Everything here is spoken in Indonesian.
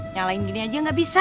nyalain gini aja gak bisa